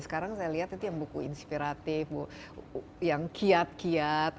sekarang saya lihat itu yang buku inspiratif yang kiat kiat